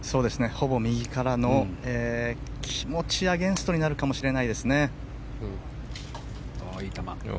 ほぼ右からの気持ちアゲンストになるかもしれないですね。